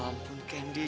ya ampun candy